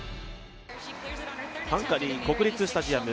ハンガリー国立スタジアム